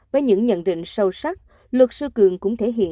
với những nhận định sâu sắc